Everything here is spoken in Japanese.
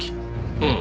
うん。